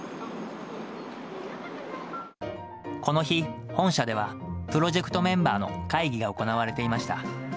この日、本社では、プロジェクトメンバーの会議が行われていました。